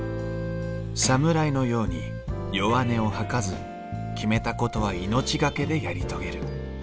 侍のように弱音を吐かず決めたことは命懸けでやり遂げる。